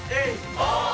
オー！